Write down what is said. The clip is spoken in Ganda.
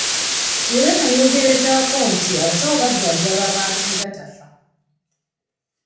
Era n'ayongerezaako nti abasawo baba bajjanjaba abantu ne batafa.